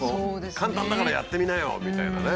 簡単だからやってみなよみたいなね。